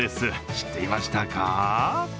知っていましたか？